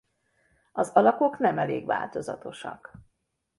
Az alakok nem elég változatosak.